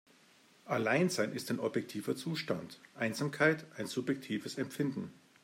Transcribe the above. Alleinsein ist ein objektiver Zustand, Einsamkeit ein subjektives Empfinden.